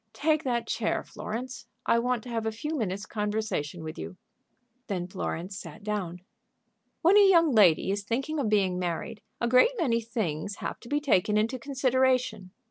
"Take that chair, Florence. I want to have a few minutes' conversation with you." Then Florence sat down. "When a young lady is thinking of being married, a great many things have to be taken into consideration."